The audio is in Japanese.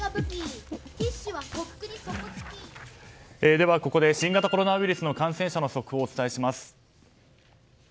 ではここで新型コロナウイルスの感染者の速報をお伝えします。